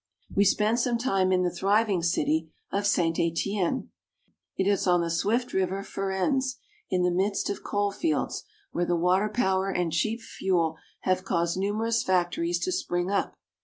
We spend some time in the thriving city of St. Etienne (saNt a te enn'). It is on the swift River Furens in the midst of coal fields, where the water power and cheap fuel have caused numerous factories to spring up.